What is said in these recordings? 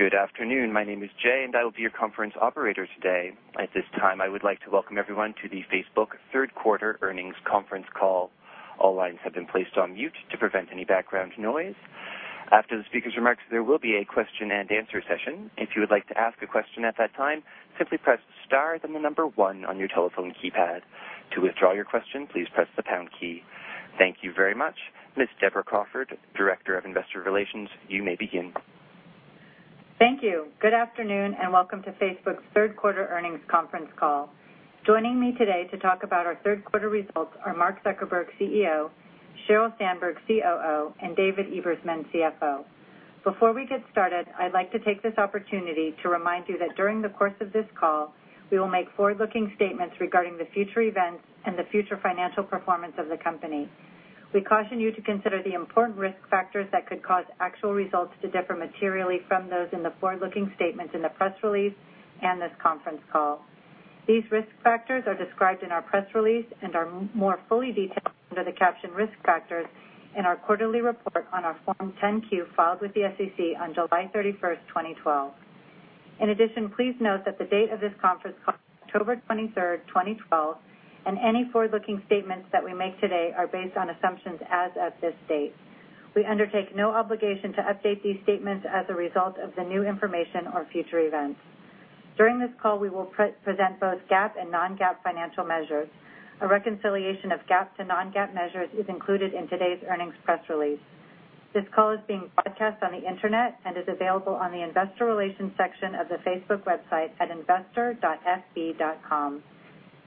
Good afternoon. My name is Jay, and I will be your conference operator today. At this time, I would like to welcome everyone to the Facebook third quarter earnings conference call. All lines have been placed on mute to prevent any background noise. After the speaker's remarks, there will be a question and answer session. If you would like to ask a question at that time, simply press star then 1 on your telephone keypad. To withdraw your question, please press the pound key. Thank you very much. Ms. Deborah Crawford, Director of Investor Relations, you may begin. Thank you. Good afternoon, welcome to Facebook's third quarter earnings conference call. Joining me today to talk about our third quarter results are Mark Zuckerberg, CEO; Sheryl Sandberg, COO; and David Ebersman, CFO. Before we get started, I'd like to take this opportunity to remind you that during the course of this call, we will make forward-looking statements regarding the future events and the future financial performance of the company. We caution you to consider the important risk factors that could cause actual results to differ materially from those in the forward-looking statements in the press release and this conference call. These risk factors are described in our press release and are more fully detailed under the caption Risk Factors in our quarterly report on our Form 10-Q filed with the SEC on July 31st, 2012. In addition, please note that the date of this conference call is October 23rd, 2012, any forward-looking statements that we make today are based on assumptions as of this date. We undertake no obligation to update these statements as a result of the new information or future events. During this call, we will present both GAAP and non-GAAP financial measures. A reconciliation of GAAP to non-GAAP measures is included in today's earnings press release. This call is being broadcast on the internet and is available on the investor relations section of the Facebook website at investor.fb.com.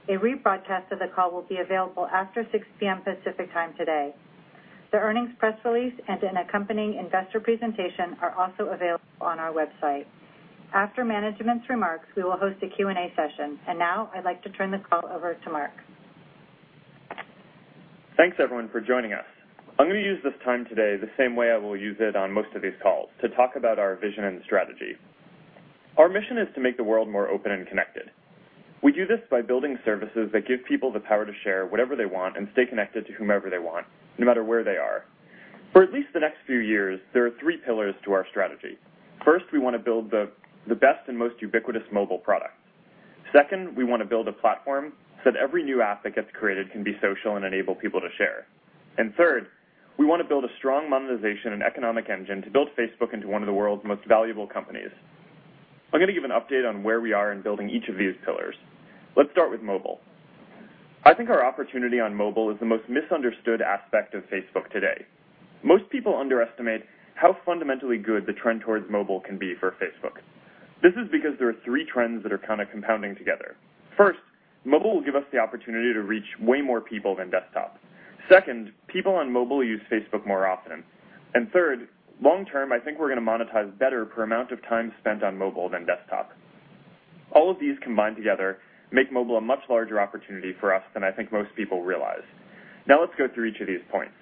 A rebroadcast of the call will be available after 6:00 P.M. Pacific Time today. The earnings press release and an accompanying investor presentation are also available on our website. After management's remarks, we will host a Q&A session. Now I'd like to turn the call over to Mark. Thanks, everyone, for joining us. I'm going to use this time today the same way I will use it on most of these calls, to talk about our vision and strategy. Our mission is to make the world more open and connected. We do this by building services that give people the power to share whatever they want and stay connected to whomever they want, no matter where they are. For at least the next few years, there are three pillars to our strategy. First, we want to build the best and most ubiquitous mobile product. Second, we want to build a platform so that every new app that gets created can be social and enable people to share. Third, we want to build a strong monetization and economic engine to build Facebook into one of the world's most valuable companies. I'm going to give an update on where we are in building each of these pillars. Let's start with mobile. I think our opportunity on mobile is the most misunderstood aspect of Facebook today. Most people underestimate how fundamentally good the trend towards mobile can be for Facebook. This is because there are three trends that are kind of compounding together. First, mobile will give us the opportunity to reach way more people than desktop. Second, people on mobile use Facebook more often. Third, long term, I think we're going to monetize better per amount of time spent on mobile than desktop. All of these combined together make mobile a much larger opportunity for us than I think most people realize. Let's go through each of these points.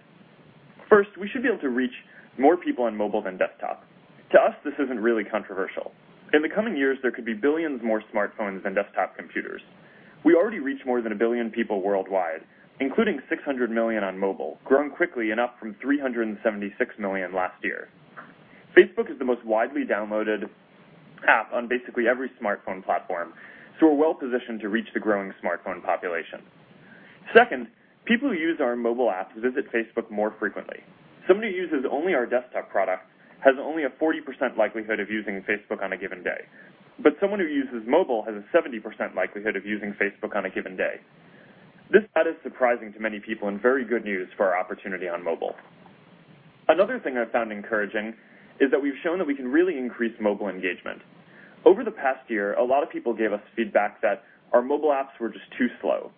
First, we should be able to reach more people on mobile than desktop. To us, this isn't really controversial. In the coming years, there could be billions more smartphones than desktop computers. We already reach more than a billion people worldwide, including 600 million on mobile, growing quickly and up from 376 million last year. Facebook is the most widely downloaded app on basically every smartphone platform. We're well positioned to reach the growing smartphone population. Second, people who use our mobile apps visit Facebook more frequently. Somebody who uses only our desktop product has only a 40% likelihood of using Facebook on a given day. Someone who uses mobile has a 70% likelihood of using Facebook on a given day. This stat is surprising to many people and very good news for our opportunity on mobile. Another thing I found encouraging is that we've shown that we can really increase mobile engagement. Over the past year, a lot of people gave us feedback that our mobile apps were just too slow.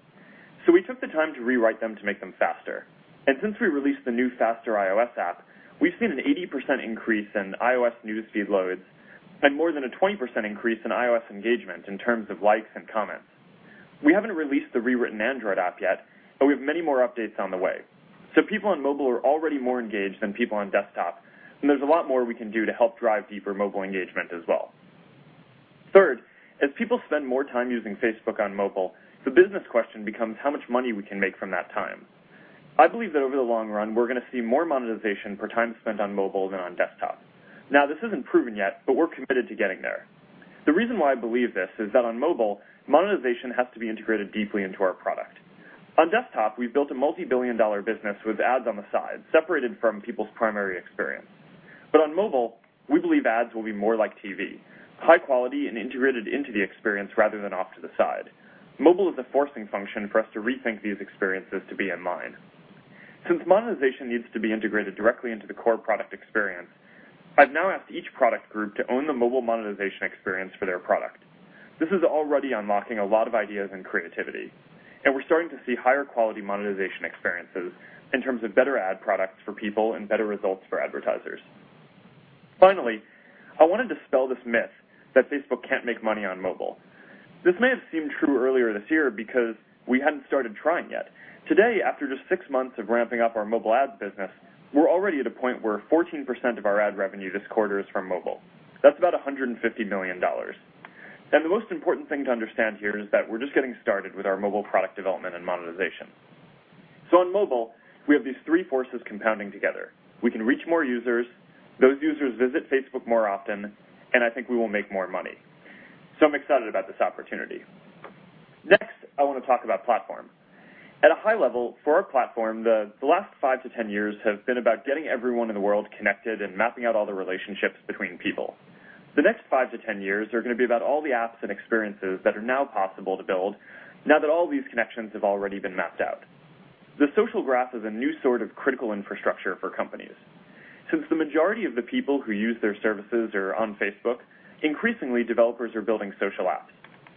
We took the time to rewrite them to make them faster. Since we released the new, faster iOS app, we've seen an 80% increase in iOS News Feed loads and more than a 20% increase in iOS engagement in terms of likes and comments. We haven't released the rewritten Android app yet, but we have many more updates on the way. People on mobile are already more engaged than people on desktop, and there's a lot more we can do to help drive deeper mobile engagement as well. Third, as people spend more time using Facebook on mobile, the business question becomes how much money we can make from that time. I believe that over the long run, we're going to see more monetization per time spent on mobile than on desktop. This isn't proven yet, but we're committed to getting there. The reason why I believe this is that on mobile, monetization has to be integrated deeply into our product. On desktop, we've built a multibillion-dollar business with ads on the side, separated from people's primary experience. On mobile, we believe ads will be more like TV, high quality, and integrated into the experience rather than off to the side. Mobile is a forcing function for us to rethink these experiences to be in line. Since monetization needs to be integrated directly into the core product experience, I've now asked each product group to own the mobile monetization experience for their product. This is already unlocking a lot of ideas and creativity. We're starting to see higher quality monetization experiences in terms of better ad products for people and better results for advertisers. Finally, I want to dispel this myth that Facebook can't make money on mobile. This may have seemed true earlier this year because we hadn't started trying yet. Today, after just six months of ramping up our mobile ads business, we're already at a point where 14% of our ad revenue this quarter is from mobile. That's about $150 million. The most important thing to understand here is that we're just getting started with our mobile product development and monetization. On mobile, we have these three forces compounding together. We can reach more users, those users visit Facebook more often. I think we will make more money. I'm excited about this opportunity. Next, I want to talk about platform. At a high level, for our platform, the last five to 10 years have been about getting everyone in the world connected and mapping out all the relationships between people. The next five to 10 years are going to be about all the apps and experiences that are now possible to build now that all these connections have already been mapped out. The social graph is a new sort of critical infrastructure for companies. Since the majority of the people who use their services are on Facebook, increasingly, developers are building social apps.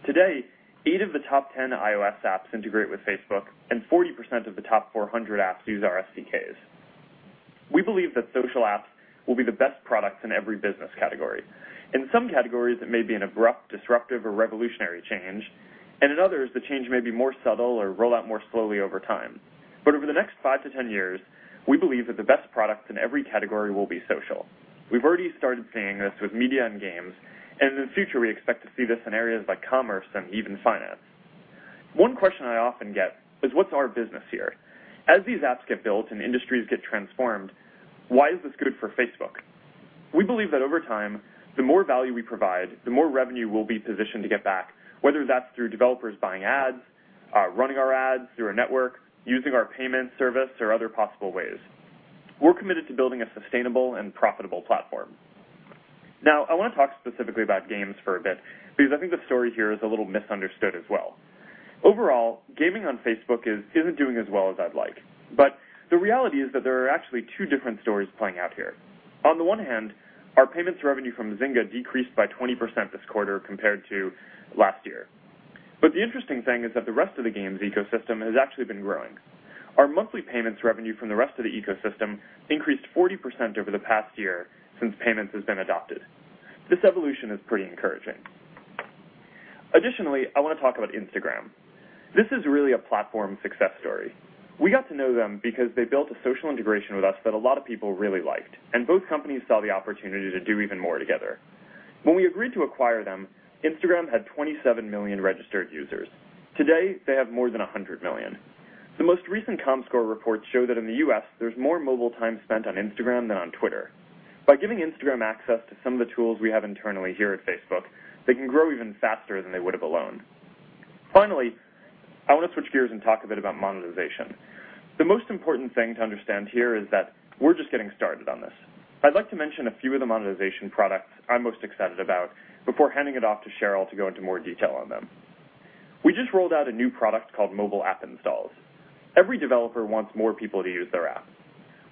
Today, eight of the top 10 iOS apps integrate with Facebook, and 40% of the top 400 apps use our SDKs. We believe that social apps will be the best products in every business category. In some categories, it may be an abrupt, disruptive, or revolutionary change. In others, the change may be more subtle or roll out more slowly over time. Over the next five to 10 years, we believe that the best product in every category will be social. We've already started seeing this with media and games. In the future, we expect to see this in areas like commerce and even finance. One question I often get is what's our business here? As these apps get built and industries get transformed, why is this good for Facebook? We believe that over time, the more value we provide, the more revenue we'll be positioned to get back, whether that's through developers buying ads, running our ads through our network, using our payment service, or other possible ways. We're committed to building a sustainable and profitable platform. I want to talk specifically about games for a bit, because I think the story here is a little misunderstood as well. Overall, gaming on Facebook isn't doing as well as I'd like. The reality is that there are actually two different stories playing out here. On the one hand, our payments revenue from Zynga decreased by 20% this quarter compared to last year. The interesting thing is that the rest of the games ecosystem has actually been growing. Our monthly payments revenue from the rest of the ecosystem increased 40% over the past year since payments has been adopted. I want to talk about Instagram. This is really a platform success story. We got to know them because they built a social integration with us that a lot of people really liked, and both companies saw the opportunity to do even more together. When we agreed to acquire them, Instagram had 27 million registered users. Today, they have more than 100 million. The most recent comScore reports show that in the U.S., there's more mobile time spent on Instagram than on Twitter. By giving Instagram access to some of the tools we have internally here at Facebook, they can grow even faster than they would have alone. Finally, I want to switch gears and talk a bit about monetization. The most important thing to understand here is that we're just getting started on this. I'd like to mention a few of the monetization products I'm most excited about before handing it off to Sheryl to go into more detail on them. We just rolled out a new product called Mobile App Install Ads. Every developer wants more people to use their app.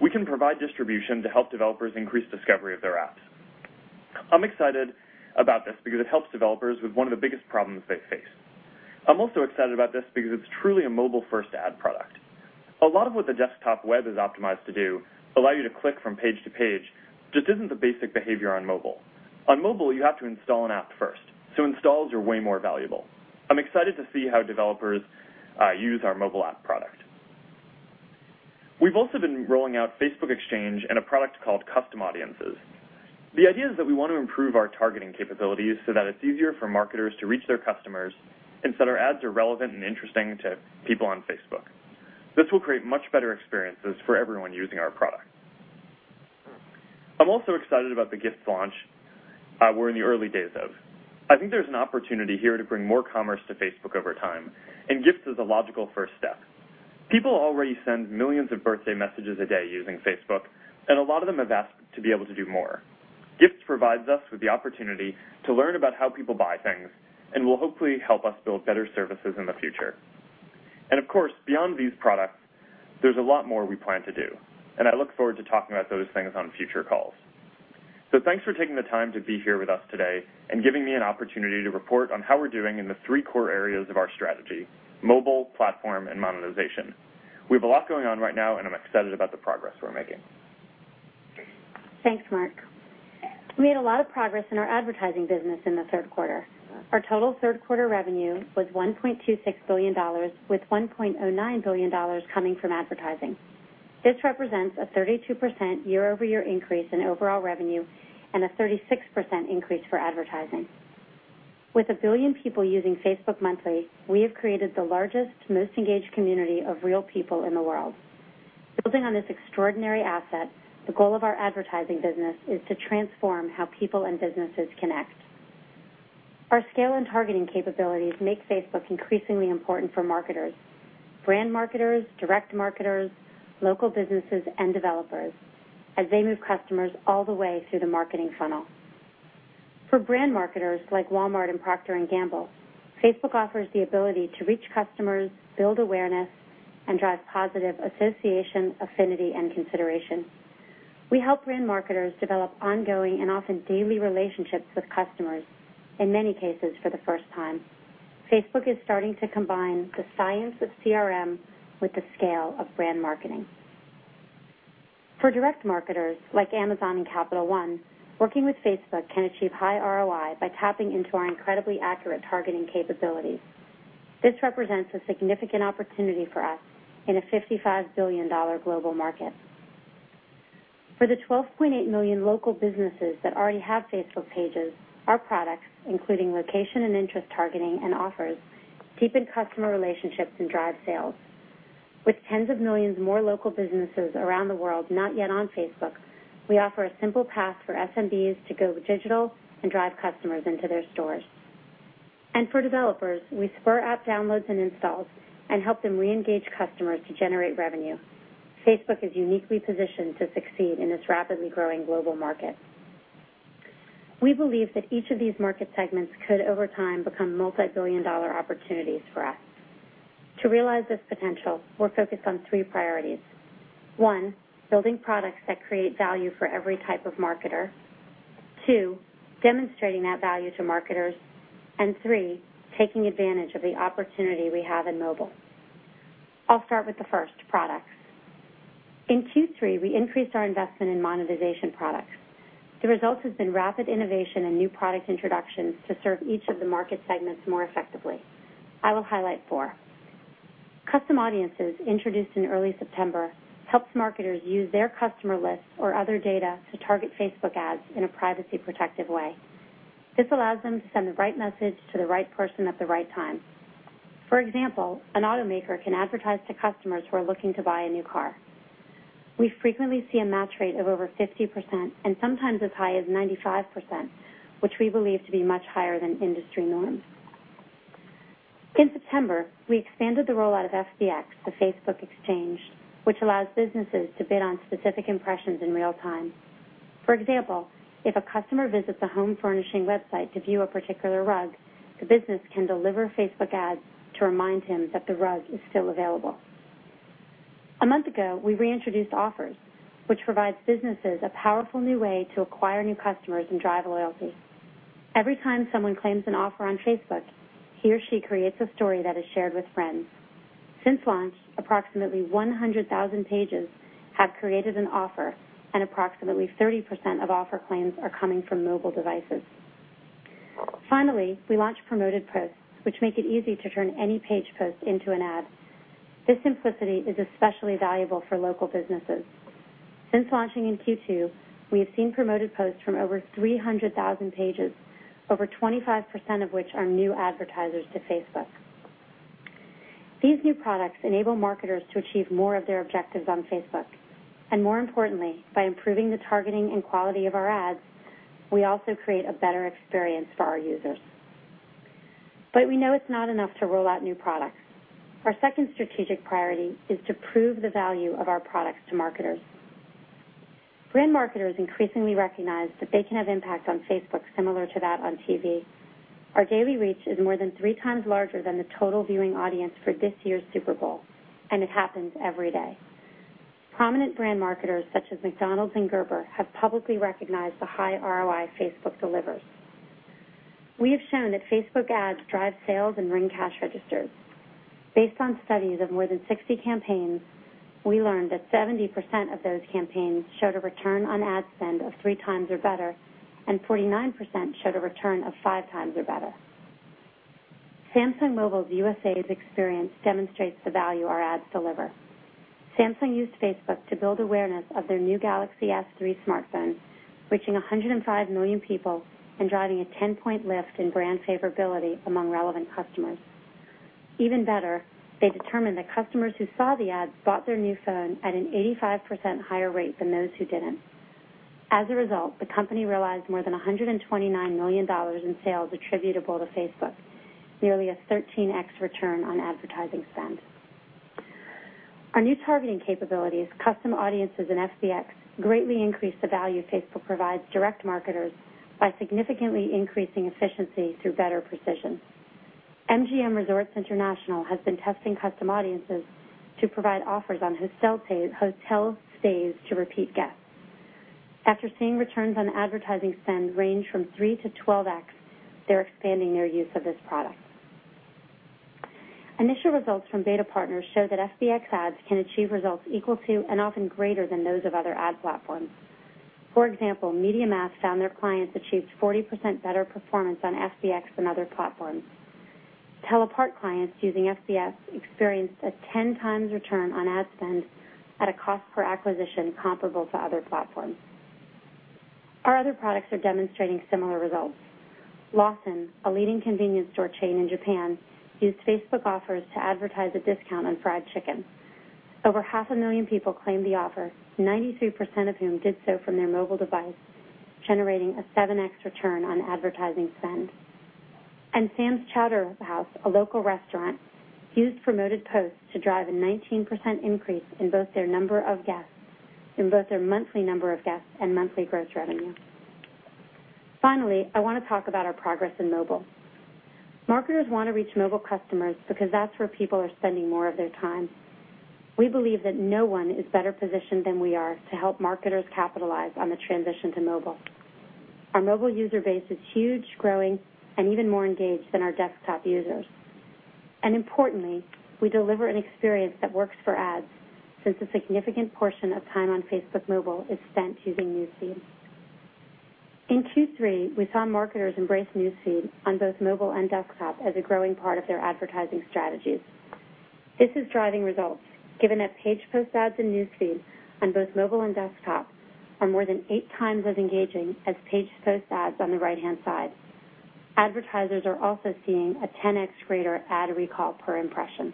We can provide distribution to help developers increase discovery of their apps. I'm excited about this because it helps developers with one of the biggest problems they face. I'm also excited about this because it's truly a mobile-first ad product. A lot of what the desktop web is optimized to do, allow you to click from page to page, just isn't the basic behavior on mobile. On mobile, you have to install an app first, so installs are way more valuable. I'm excited to see how developers use our mobile app product. We've also been rolling out Facebook Exchange and a product called Custom Audiences. The idea is that we want to improve our targeting capabilities so that it's easier for marketers to reach their customers and so their ads are relevant and interesting to people on Facebook. This will create much better experiences for everyone using our product. I'm also excited about the Gifts launch we're in the early days of. I think there's an opportunity here to bring more commerce to Facebook over time, and Gifts is a logical first step. People already send millions of birthday messages a day using Facebook, and a lot of them have asked to be able to do more. Gifts provides us with the opportunity to learn about how people buy things and will hopefully help us build better services in the future. Beyond these products, there's a lot more we plan to do, and I look forward to talking about those things on future calls. Thanks for taking the time to be here with us today and giving me an opportunity to report on how we're doing in the three core areas of our strategy: mobile, platform, and monetization. We have a lot going on right now, and I'm excited about the progress we're making. Thanks, Mark. We made a lot of progress in our advertising business in the third quarter. Our total third-quarter revenue was $1.26 billion, with $1.09 billion coming from advertising. This represents a 32% year-over-year increase in overall revenue and a 36% increase for advertising. With a billion people using Facebook monthly, we have created the largest, most engaged community of real people in the world. Building on this extraordinary asset, the goal of our advertising business is to transform how people and businesses connect. Our scale and targeting capabilities make Facebook increasingly important for marketers, brand marketers, direct marketers, local businesses, and developers, as they move customers all the way through the marketing funnel. For brand marketers like Walmart and Procter & Gamble, Facebook offers the ability to reach customers, build awareness, and drive positive association, affinity, and consideration. We help brand marketers develop ongoing and often daily relationships with customers, in many cases, for the first time. Facebook is starting to combine the science of CRM with the scale of brand marketing. For direct marketers like Amazon and Capital One, working with Facebook can achieve high ROI by tapping into our incredibly accurate targeting capabilities. This represents a significant opportunity for us in a $55 billion global market. For the 12.8 million local businesses that already have Facebook pages, our products, including location and interest targeting and offers, deepen customer relationships and drive sales. With tens of millions more local businesses around the world not yet on Facebook, we offer a simple path for SMBs to go digital and drive customers into their stores. For developers, we spur app downloads and installs and help them reengage customers to generate revenue. Facebook is uniquely positioned to succeed in this rapidly growing global market. We believe that each of these market segments could, over time, become multibillion-dollar opportunities for us. To realize this potential, we're focused on three priorities. One, building products that create value for every type of marketer. Two, demonstrating that value to marketers. Three, taking advantage of the opportunity we have in mobile. I'll start with the first, products. In Q3, we increased our investment in monetization products. The results have been rapid innovation and new product introductions to serve each of the market segments more effectively. I will highlight four. Custom Audiences, introduced in early September, helps marketers use their customer lists or other data to target Facebook ads in a privacy-protective way. This allows them to send the right message to the right person at the right time. For example, an automaker can advertise to customers who are looking to buy a new car. We frequently see a match rate of over 50%, and sometimes as high as 95%, which we believe to be much higher than industry norms. In September, we expanded the rollout of FBX, the Facebook Exchange, which allows businesses to bid on specific impressions in real time. For example, if a customer visits a home furnishing website to view a particular rug, the business can deliver Facebook ads to remind him that the rug is still available. A month ago, we reintroduced Offers, which provides businesses a powerful new way to acquire new customers and drive loyalty. Every time someone claims an offer on Facebook, he or she creates a story that is shared with friends. Since launch, approximately 100,000 pages have created an offer, and approximately 30% of offer claims are coming from mobile devices. Finally, we launched Promoted Posts, which make it easy to turn any Page post into an ad. This simplicity is especially valuable for local businesses. Since launching in Q2, we have seen Promoted Posts from over 300,000 Pages, over 25% of which are new advertisers to Facebook. These new products enable marketers to achieve more of their objectives on Facebook, and more importantly, by improving the targeting and quality of our ads, we also create a better experience for our users. We know it's not enough to roll out new products. Our second strategic priority is to prove the value of our products to marketers. Brand marketers increasingly recognize that they can have impact on Facebook similar to that on TV. Our daily reach is more than three times larger than the total viewing audience for this year's Super Bowl, and it happens every day. Prominent brand marketers such as McDonald's and Gerber have publicly recognized the high ROI Facebook delivers. We have shown that Facebook ads drive sales and ring cash registers. Based on studies of more than 60 campaigns, we learned that 70% of those campaigns showed a return on ad spend of three times or better, and 49% showed a return of five times or better. Samsung Mobile USA's experience demonstrates the value our ads deliver. Samsung used Facebook to build awareness of their new Galaxy S III smartphone, reaching 105 million people and driving a 10-point lift in brand favorability among relevant customers. Even better, they determined that customers who saw the ads bought their new phone at an 85% higher rate than those who didn't. As a result, the company realized more than $129 million in sales attributable to Facebook, nearly a 13x return on advertising spend. Our new targeting capabilities, Custom Audiences and FBX, greatly increase the value Facebook provides direct marketers by significantly increasing efficiency through better precision. MGM Resorts International has been testing Custom Audiences to provide offers on hotel stays to repeat guests. After seeing returns on advertising spend range from 3 to 12x, they're expanding their use of this product. Initial results from beta partners show that FBX ads can achieve results equal to and often greater than those of other ad platforms. For example, MediaMath found their clients achieved 40% better performance on FBX than other platforms. TellApart clients using FBX experienced a 10 times return on ad spend at a cost per acquisition comparable to other platforms. Our other products are demonstrating similar results. Lawson, a leading convenience store chain in Japan, used Facebook Offers to advertise a discount on fried chicken. Over half a million people claimed the offer, 93% of whom did so from their mobile device, generating a 7x return on advertising spend. Sam's Chowder House, a local restaurant, used Promoted Posts to drive a 19% increase in both their monthly number of guests and monthly gross revenue. Finally, I want to talk about our progress in mobile. Marketers want to reach mobile customers because that's where people are spending more of their time. We believe that no one is better positioned than we are to help marketers capitalize on the transition to mobile. Our mobile user base is huge, growing, and even more engaged than our desktop users. Importantly, we deliver an experience that works for ads, since a significant portion of time on Facebook Mobile is spent using News Feed. In Q3, we saw marketers embrace News Feed on both mobile and desktop as a growing part of their advertising strategies. This is driving results, given that page post ads in News Feed on both mobile and desktop are more than eight times as engaging as page post ads on the right-hand side. Advertisers are also seeing a 10x greater ad recall per impression.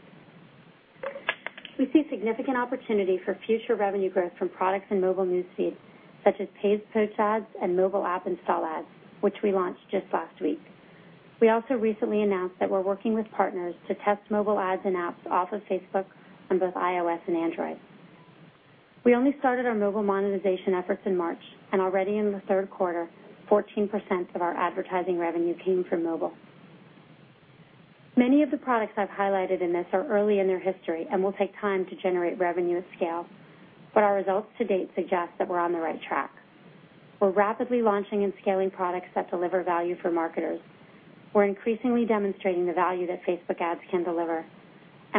We see significant opportunity for future revenue growth from products in mobile News Feed, such as page post ads and Mobile App Install Ads, which we launched just last week. We also recently announced that we're working with partners to test mobile ads and apps off of Facebook on both iOS and Android. We only started our mobile monetization efforts in March, already in the third quarter, 14% of our advertising revenue came from mobile. Many of the products I've highlighted in this are early in their history and will take time to generate revenue at scale. Our results to date suggest that we're on the right track. We're rapidly launching and scaling products that deliver value for marketers. We're increasingly demonstrating the value that Facebook ads can deliver,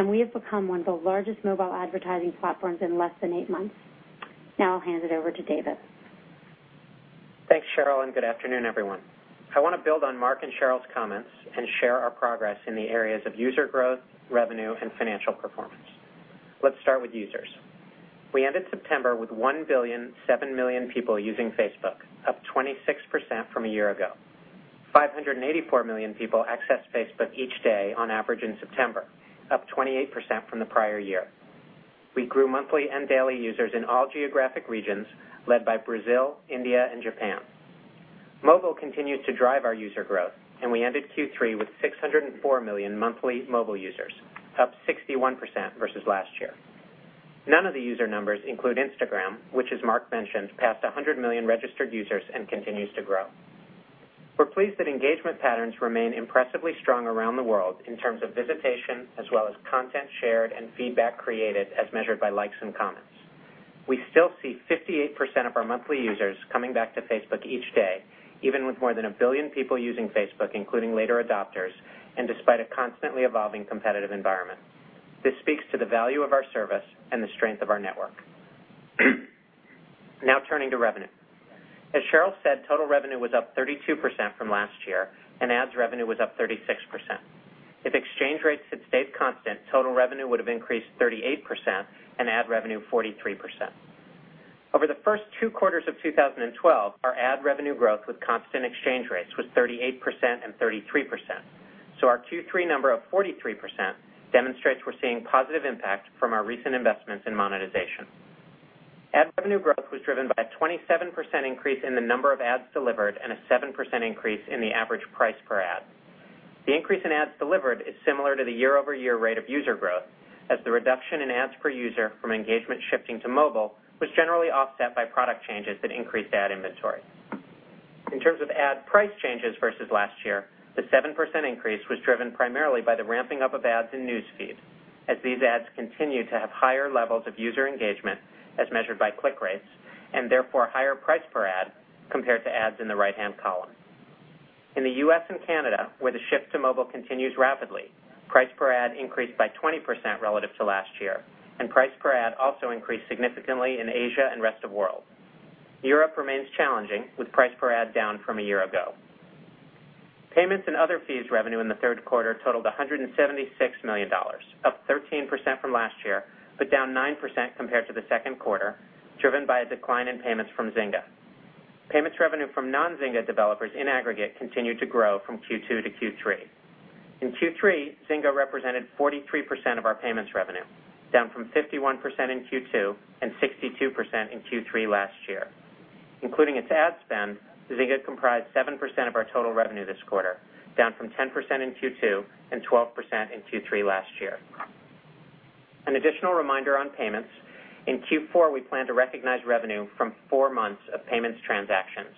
we have become one of the largest mobile advertising platforms in less than eight months. I'll hand it over to David. Thanks, Sheryl. Good afternoon, everyone. I want to build on Mark and Sheryl's comments and share our progress in the areas of user growth, revenue, and financial performance. Let's start with users. We ended September with 1,007,000,000 people using Facebook, up 26% from a year ago. 584 million people accessed Facebook each day on average in September, up 28% from the prior year. We grew monthly and daily users in all geographic regions, led by Brazil, India, and Japan. Mobile continued to drive our user growth, we ended Q3 with 604 million monthly mobile users, up 61% versus last year. None of the user numbers include Instagram, which, as Mark mentioned, passed 100 million registered users and continues to grow. We're pleased that engagement patterns remain impressively strong around the world in terms of visitation as well as content shared and feedback created as measured by likes and comments. We still see 58% of our monthly users coming back to Facebook each day, even with more than a billion people using Facebook, including later adopters, and despite a constantly evolving competitive environment. This speaks to the value of our service and the strength of our network. Turning to revenue. As Sheryl said, total revenue was up 32% from last year, ads revenue was up 36%. If exchange rates had stayed constant, total revenue would have increased 38% ad revenue 43%. Over the first two quarters of 2012, our ad revenue growth with constant exchange rates was 38% and 33%. Our Q3 number of 43% demonstrates we're seeing positive impact from our recent investments in monetization. Ad revenue growth was driven by a 27% increase in the number of ads delivered and a 7% increase in the average price per ad. The increase in ads delivered is similar to the year-over-year rate of user growth, as the reduction in ads per user from engagement shifting to mobile was generally offset by product changes that increased ad inventory. In terms of ad price changes versus last year, the 7% increase was driven primarily by the ramping up of ads in News Feed, as these ads continue to have higher levels of user engagement as measured by click rates, and therefore higher price per ad compared to ads in the right-hand column. In the U.S. and Canada, where the shift to mobile continues rapidly, price per ad increased by 20% relative to last year, and price per ad also increased significantly in Asia and rest of world. Europe remains challenging, with price per ad down from a year ago. Payments and other fees revenue in the third quarter totaled $176 million, up 13% from last year, but down 9% compared to the second quarter, driven by a decline in payments from Zynga. Payments revenue from non-Zynga developers in aggregate continued to grow from Q2 to Q3. In Q3, Zynga represented 43% of our payments revenue, down from 51% in Q2 and 62% in Q3 last year. Including its ad spend, Zynga comprised 7% of our total revenue this quarter, down from 10% in Q2 and 12% in Q3 last year. An additional reminder on payments, in Q4, we plan to recognize revenue from four months of payments transactions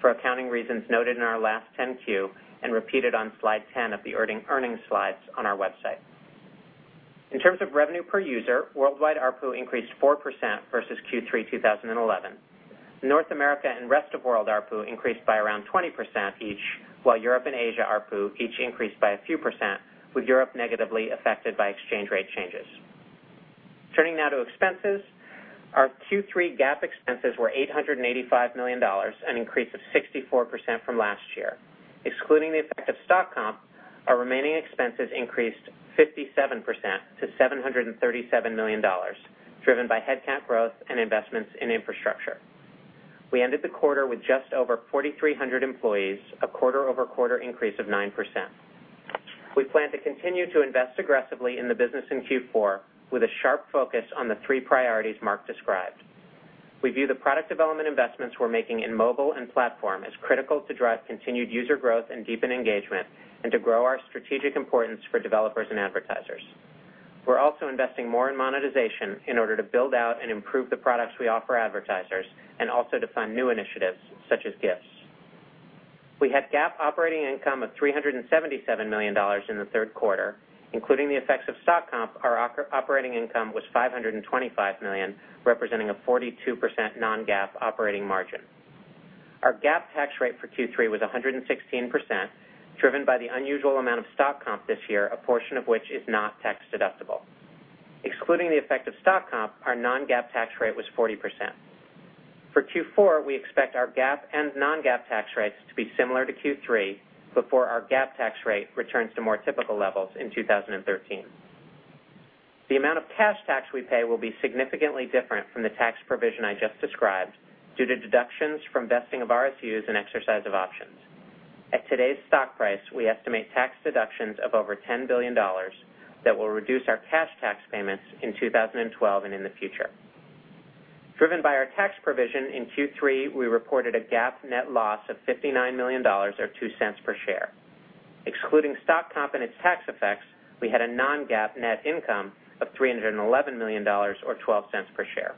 for accounting reasons noted in our last 10-Q and repeated on slide 10 of the earnings slides on our website. In terms of revenue per user, worldwide ARPU increased 4% versus Q3 2011. North America and rest of world ARPU increased by around 20% each, while Europe and Asia ARPU each increased by a few percent, with Europe negatively affected by exchange rate changes. Turning now to expenses. Our Q3 GAAP expenses were $885 million, an increase of 64% from last year. Excluding the effect of stock comp, our remaining expenses increased 57% to $737 million, driven by headcount growth and investments in infrastructure. We ended the quarter with just over 4,300 employees, a quarter-over-quarter increase of 9%. We plan to continue to invest aggressively in the business in Q4 with a sharp focus on the three priorities Mark described. We view the product development investments we're making in mobile and platform as critical to drive continued user growth and deepen engagement, and to grow our strategic importance for developers and advertisers. We're also investing more in monetization in order to build out and improve the products we offer advertisers, and also to fund new initiatives such as gifts. We had GAAP operating income of $377 million in the third quarter. Including the effects of stock comp, our operating income was $525 million, representing a 42% non-GAAP operating margin. Our GAAP tax rate for Q3 was 116%, driven by the unusual amount of stock comp this year, a portion of which is not tax-deductible. Excluding the effect of stock comp, our non-GAAP tax rate was 40%. For Q4, we expect our GAAP and non-GAAP tax rates to be similar to Q3 before our GAAP tax rate returns to more typical levels in 2013. The amount of cash tax we pay will be significantly different from the tax provision I just described due to deductions from vesting of RSUs and exercise of options. At today's stock price, we estimate tax deductions of over $10 billion that will reduce our cash tax payments in 2012 and in the future. Driven by our tax provision in Q3, we reported a GAAP net loss of $59 million, or $0.02 per share. Excluding stock comp and its tax effects, we had a non-GAAP net income of $311 million or $0.12 per share.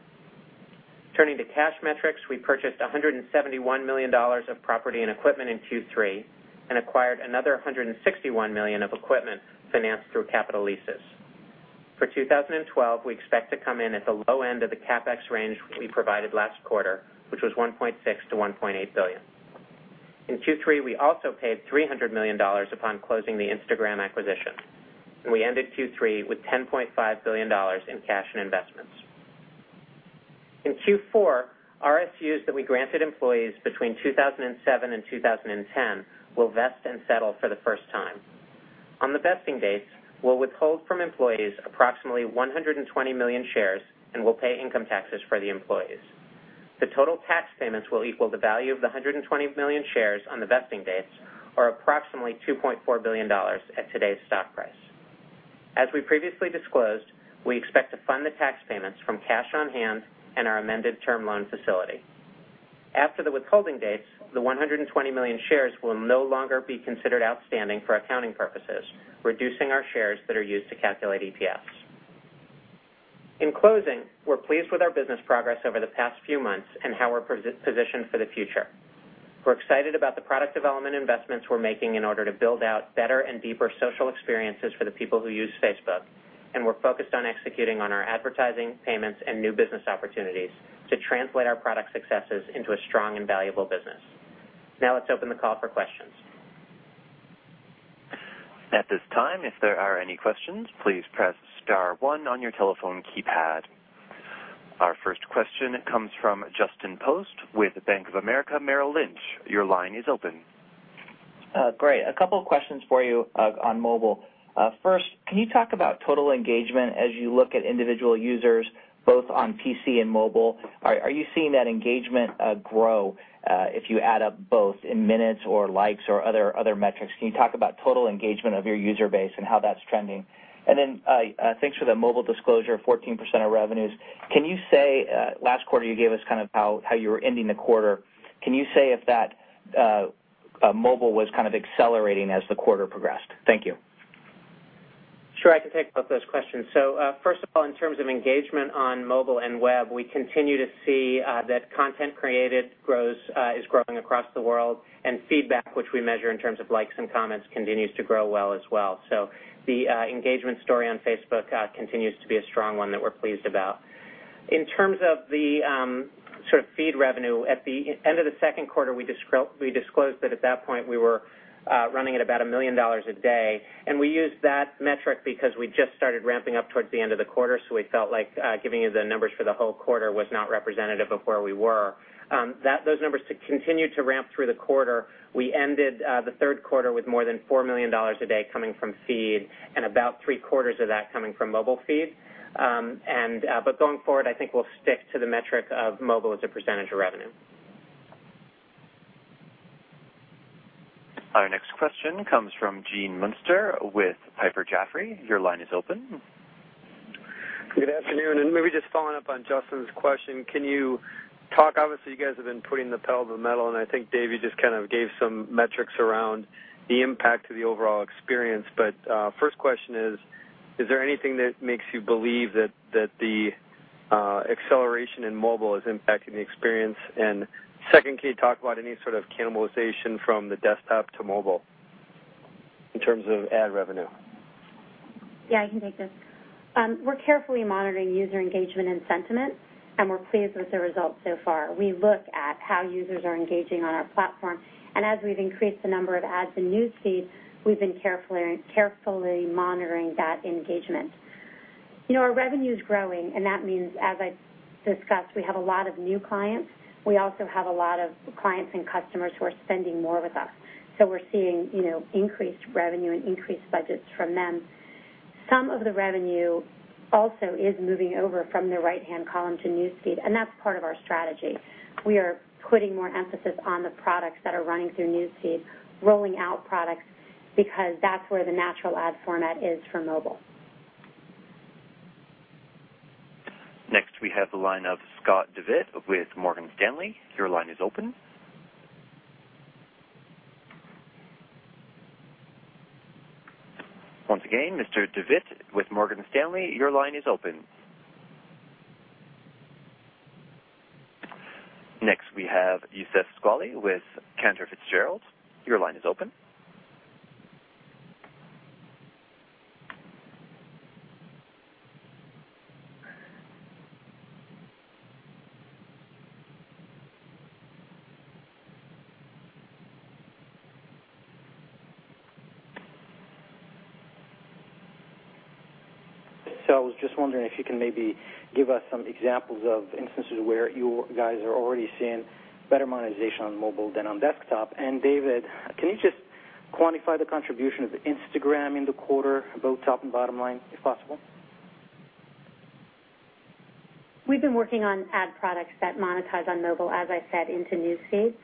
Turning to cash metrics, we purchased $171 million of property and equipment in Q3 and acquired another $161 million of equipment financed through capital leases. For 2012, we expect to come in at the low end of the CapEx range we provided last quarter, which was $1.6 billion-$1.8 billion. In Q3, we also paid $300 million upon closing the Instagram acquisition, and we ended Q3 with $10.5 billion in cash and investments. In Q4, RSUs that we granted employees between 2007 and 2010 will vest and settle for the first time. On the vesting dates, we'll withhold from employees approximately 120 million shares, and we'll pay income taxes for the employees. The total tax payments will equal the value of the 120 million shares on the vesting dates, or approximately $2.4 billion at today's stock price. As we previously disclosed, we expect to fund the tax payments from cash on hand and our amended term loan facility. After the withholding dates, the 120 million shares will no longer be considered outstanding for accounting purposes, reducing our shares that are used to calculate EPS. In closing, we're pleased with our business progress over the past few months and how we're positioned for the future. We're excited about the product development investments we're making in order to build out better and deeper social experiences for the people who use Facebook, and we're focused on executing on our advertising, payments, and new business opportunities to translate our product successes into a strong and valuable business. Let's open the call for questions. At this time, if there are any questions, please press star one on your telephone keypad. Our first question comes from Justin Post with Bank of America Merrill Lynch. Your line is open. Great. A couple questions for you on mobile. First, can you talk about total engagement as you look at individual users, both on PC and mobile? Are you seeing that engagement grow if you add up both in minutes or likes or other metrics? Can you talk about total engagement of your user base and how that's trending? Thanks for the mobile disclosure, 14% of revenues. Last quarter, you gave us how you were ending the quarter. Can you say if that mobile was kind of accelerating as the quarter progressed? Thank you. Sure. I can take both those questions. First of all, in terms of engagement on mobile and web, we continue to see that content created is growing across the world, and feedback, which we measure in terms of likes and comments, continues to grow well as well. The engagement story on Facebook continues to be a strong one that we're pleased about. In terms of the feed revenue, at the end of the second quarter, we disclosed that at that point we were running at about $1 million a day. We used that metric because we just started ramping up towards the end of the quarter. We felt like giving you the numbers for the whole quarter was not representative of where we were. Those numbers continued to ramp through the quarter. We ended the third quarter with more than $4 million a day coming from feed and about three-quarters of that coming from mobile feed. Going forward, I think we'll stick to the metric of mobile as a % of revenue. Our next question comes from Gene Munster with Piper Jaffray. Your line is open. Good afternoon. Maybe just following up on Justin's question, can you talk, obviously, you guys have been putting the pedal to the metal, and I think Dave, you just gave some metrics around the impact to the overall experience. First question is: Is there anything that makes you believe that the acceleration in mobile is impacting the experience? Second, can you talk about any sort of cannibalization from the desktop to mobile in terms of ad revenue? Yeah, I can take this. We're carefully monitoring user engagement and sentiment, and we're pleased with the results so far. We look at how users are engaging on our platform, and as we've increased the number of ads in News Feed, we've been carefully monitoring that engagement. Our revenue's growing, and that means, as I discussed, we have a lot of new clients. We also have a lot of clients and customers who are spending more with us. We're seeing increased revenue and increased budgets from them. Some of the revenue also is moving over from the right-hand column to News Feed, and that's part of our strategy. We are putting more emphasis on the products that are running through News Feed, rolling out products because that's where the natural ad format is for mobile. Next, we have the line of Scott Devitt with Morgan Stanley. Your line is open. Once again, Mr. Devitt with Morgan Stanley, your line is open. Next, we have Youssef Squali with Cantor Fitzgerald. Your line is open. I was just wondering if you can maybe give us some examples of instances where you guys are already seeing better monetization on mobile than on desktop. David, can you just quantify the contribution of Instagram in the quarter, both top and bottom line, if possible? We've been working on ad products that monetize on mobile, as I said, into News Feed.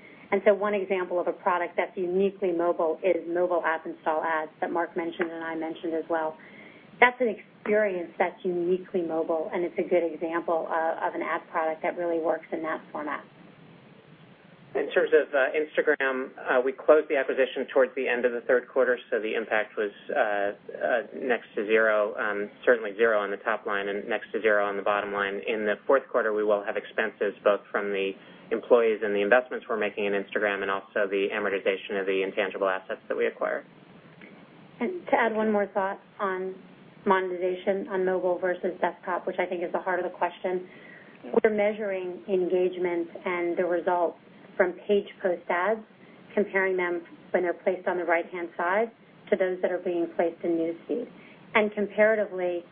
One example of a product that's uniquely mobile is Mobile App Install Ads that Mark mentioned, and I mentioned as well. That's an experience that's uniquely mobile, and it's a good example of an ad product that really works in that format. In terms of Instagram, we closed the acquisition towards the end of the third quarter, the impact was next to zero. Certainly zero on the top line and next to zero on the bottom line. In the fourth quarter, we will have expenses both from the employees and the investments we're making in Instagram, and also the amortization of the intangible assets that we acquire. To add one more thought on monetization on mobile versus desktop, which I think is the heart of the question. We're measuring engagement and the results from page post ads, comparing them when they're placed on the right-hand side to those that are being placed in News Feed. Comparatively,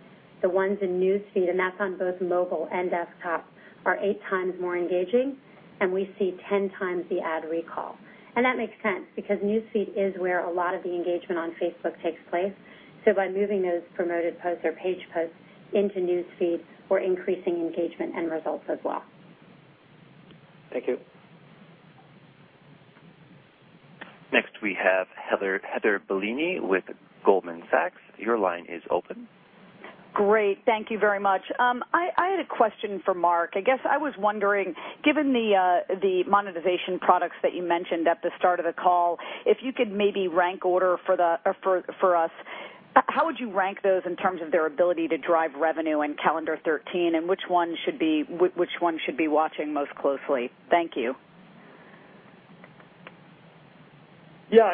the ones in News Feed, and that's on both mobile and desktop, are eight times more engaging, and we see 10 times the ad recall. That makes sense because News Feed is where a lot of the engagement on Facebook takes place. By moving those Promoted Posts or page posts into News Feed, we're increasing engagement and results as well. Thank you. Next, we have Heather Bellini with Goldman Sachs. Your line is open. Great. Thank you very much. I had a question for Mark. I guess I was wondering, given the monetization products that you mentioned at the start of the call, if you could maybe rank order for us, how would you rank those in terms of their ability to drive revenue in calendar 2013, and which one should we be watching most closely? Thank you. Yeah.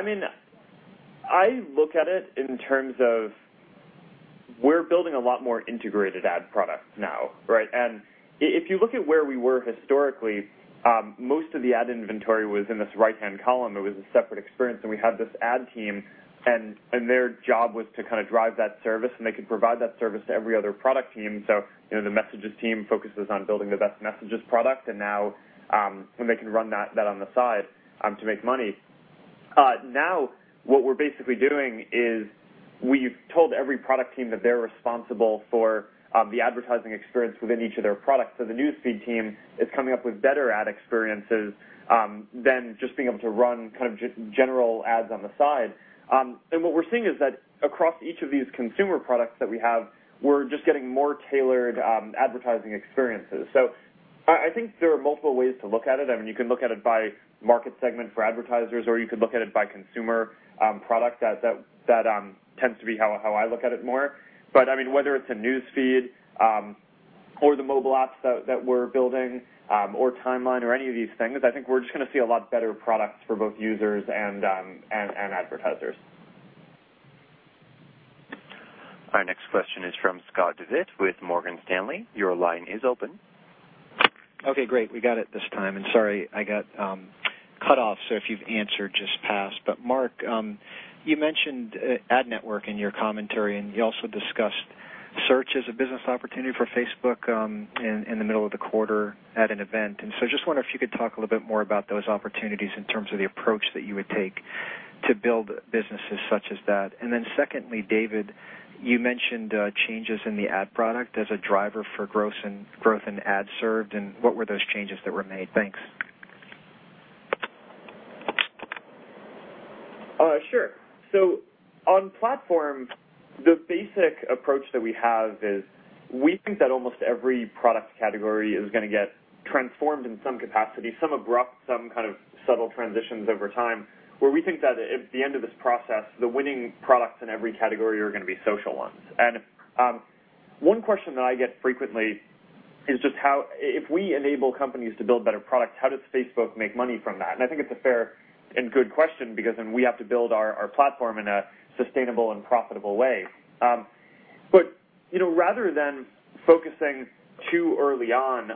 I look at it in terms of we're building a lot more integrated ad products now, right? If you look at where we were historically, most of the ad inventory was in this right-hand column. It was a separate experience, and we had this ad team, and their job was to kind of drive that service, and they could provide that service to every other product team. The messages team focuses on building the best messages product. Now, they can run that on the side to make money. What we're basically doing is we've told every product team that they're responsible for the advertising experience within each of their products. The News Feed team is coming up with better ad experiences than just being able to run kind of general ads on the side. What we're seeing is that across each of these consumer products that we have, we're just getting more tailored advertising experiences. I think there are multiple ways to look at it. You can look at it by market segment for advertisers, or you could look at it by consumer product. That tends to be how I look at it more. Whether it's a News Feed or the mobile apps that we're building or Timeline or any of these things, I think we're just going to see a lot better products for both users and advertisers. Our next question is from Scott Devitt with Morgan Stanley. Your line is open. Okay, great. We got it this time. Sorry, I got cut off, so if you've answered, just pass. Mark, you mentioned ad network in your commentary, and you also discussed search as a business opportunity for Facebook in the middle of the quarter at an event. I just wonder if you could talk a little bit more about those opportunities in terms of the approach that you would take to build businesses such as that. Secondly, David, you mentioned changes in the ad product as a driver for growth in ads served. What were those changes that were made? Thanks. Sure. On platform, the basic approach that we have is we think that almost every product category is going to get transformed in some capacity, some abrupt, some kind of subtle transitions over time, where we think that at the end of this process, the winning products in every category are going to be social ones. One question that I get frequently is just if we enable companies to build better products, how does Facebook make money from that? I think it's a fair and good question because then we have to build our platform in a sustainable and profitable way. Rather than focusing too early on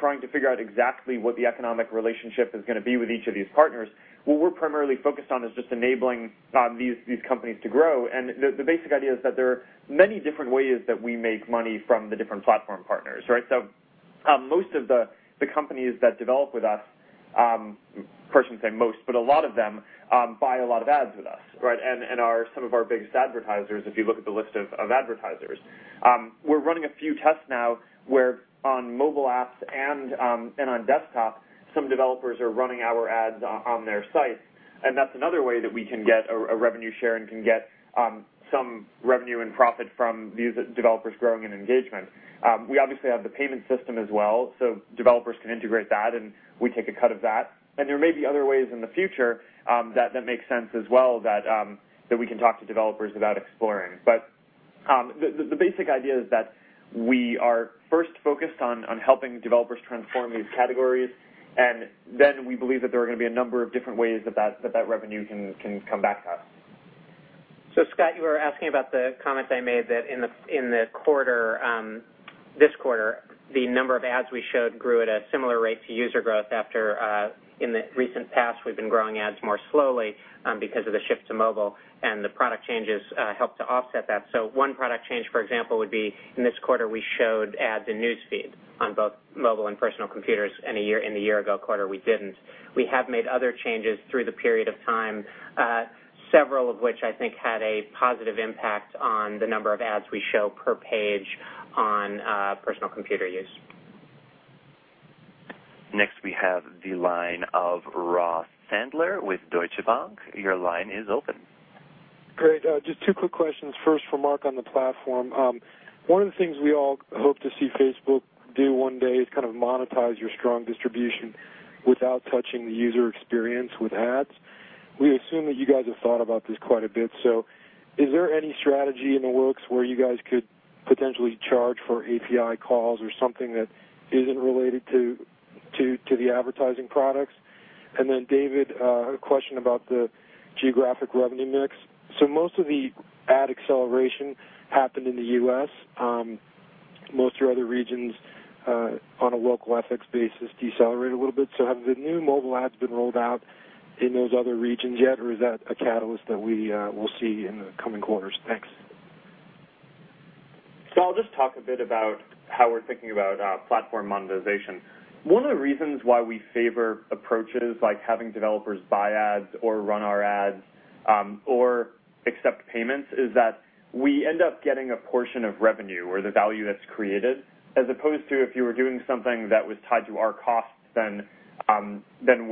trying to figure out exactly what the economic relationship is going to be with each of these partners, what we're primarily focused on is just enabling these companies to grow. The basic idea is that there are many different ways that we make money from the different platform partners, right? Most of the companies that develop with us, cautious in saying most, but a lot of them buy a lot of ads with us, right, and are some of our biggest advertisers, if you look at the list of advertisers. We're running a few tests now where on mobile apps and on desktop, some developers are running our ads on their sites. That's another way that we can get a revenue share and can get some revenue and profit from these developers growing in engagement. We obviously have the payment system as well, so developers can integrate that, and we take a cut of that. There may be other ways in the future that makes sense as well that we can talk to developers about exploring. The basic idea is that we are first focused on helping developers transform these categories, and then we believe that there are going to be a number of different ways that revenue can come back to us. Scott, you were asking about the comments I made that in this quarter, the number of ads we showed grew at a similar rate to user growth after, in the recent past, we've been growing ads more slowly because of the shift to mobile, and the product changes helped to offset that. One product change, for example, would be in this quarter, we showed ads in News Feed on both mobile and personal computers, in the year-ago quarter, we didn't. We have made other changes through the period of time, several of which I think had a positive impact on the number of ads we show per page on personal computer use. Next, we have the line of Ross Sandler with Deutsche Bank. Your line is open. Great. Just two quick questions. First for Mark on the platform. One of the things we all hope to see Facebook do one day is kind of monetize your strong distribution without touching the user experience with ads. We assume that you guys have thought about this quite a bit. Is there any strategy in the works where you guys could potentially charge for API calls or something that isn't related to the advertising products? Then David, a question about the geographic revenue mix. Most of the ad acceleration happened in the U.S. Most of your other regions, on a local FX basis, decelerated a little bit. Have the new mobile ads been rolled out in those other regions yet, or is that a catalyst that we will see in the coming quarters? Thanks. I'll just talk a bit about how we're thinking about platform monetization. One of the reasons why we favor approaches like having developers buy ads or run our ads, or accept payments, is that we end up getting a portion of revenue or the value that's created, as opposed to if you were doing something that was tied to our costs, then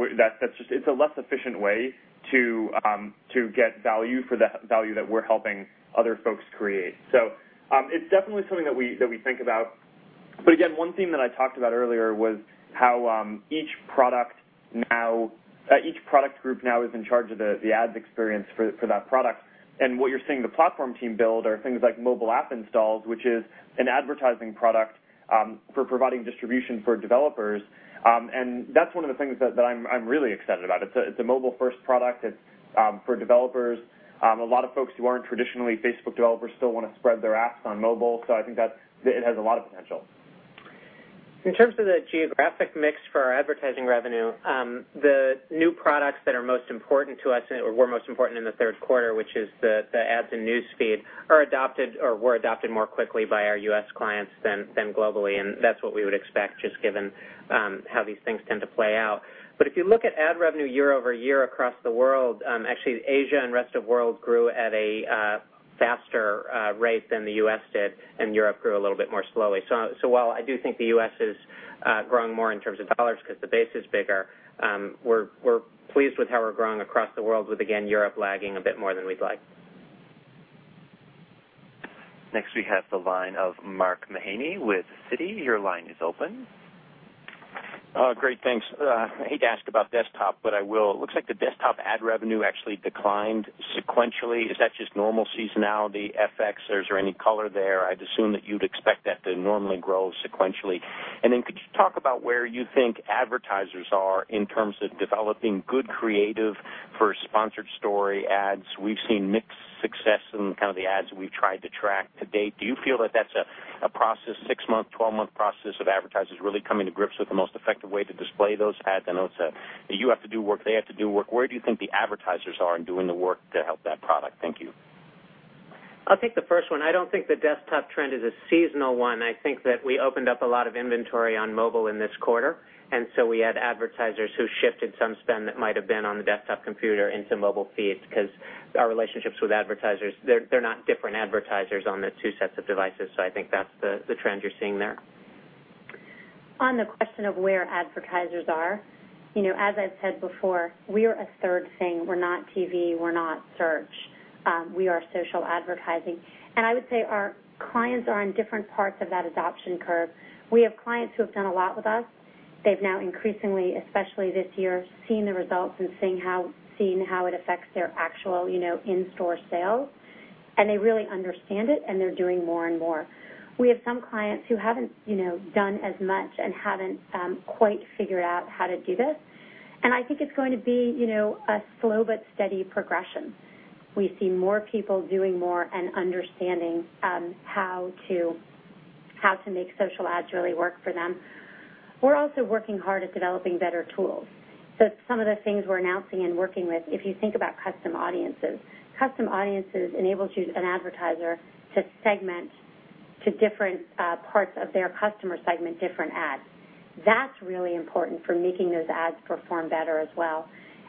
it's a less efficient way to get value for the value that we're helping other folks create. It's definitely something that we think about. Again, one theme that I talked about earlier was how each product group now is in charge of the ads experience for that product. What you're seeing the platform team build are things like Mobile App Install Ads, which is an advertising product, for providing distribution for developers. That's one of the things that I'm really excited about. It's a mobile-first product. It's for developers. A lot of folks who aren't traditionally Facebook developers still want to spread their apps on mobile. I think that it has a lot of potential. In terms of the geographic mix for our advertising revenue, the new products that are most important to us, or were most important in the third quarter, which is the ads in News Feed, were adopted more quickly by our U.S. clients than globally, and that's what we would expect, just given how these things tend to play out. If you look at ad revenue year-over-year across the world, actually, Asia and rest of world grew at a faster rate than the U.S. did, and Europe grew a little bit more slowly. While I do think the U.S. is growing more in terms of dollars because the base is bigger, we're pleased with how we're growing across the world with, again, Europe lagging a bit more than we'd like. Next, we have the line of Mark Mahaney with Citi. Your line is open. Great. Thanks. I hate to ask about desktop, but I will. It looks like the desktop ad revenue actually declined sequentially. Is that just normal seasonality, FX, or is there any color there? I'd assume that you'd expect that to normally grow sequentially. Could you talk about where you think advertisers are in terms of developing good creative for Sponsored Story ads? We've seen mixed success in kind of the ads that we've tried to track to date. Do you feel that that's a 6-month, 12-month process of advertisers really coming to grips with the most effective way to display those ads? I know you have to do work. They have to do work. Where do you think the advertisers are in doing the work to help that product? Thank you. I'll take the first one. I don't think the desktop trend is a seasonal one. I think that we opened up a lot of inventory on mobile in this quarter. We had advertisers who shifted some spend that might've been on the desktop computer into mobile feeds because our relationships with advertisers, they're not different advertisers on the two sets of devices. I think that's the trend you're seeing there. On the question of where advertisers are, as I've said before, we are a third thing. We're not TV, we're not search. We are social advertising. I would say our clients are on different parts of that adoption curve. We have clients who have done a lot with us. They've now increasingly, especially this year, seen the results and seen how it affects their actual in-store sales. They really understand it and they're doing more and more. We have some clients who haven't done as much and haven't quite figured out how to do this. I think it's going to be a slow but steady progression. We see more people doing more and understanding how to make social ads really work for them. We're also working hard at developing better tools. Some of the things we're announcing and working with, if you think about Custom Audiences, Custom Audiences enables you, an advertiser, to segment to different parts of their customer segment, different ads. That's really important for making those ads perform better as well.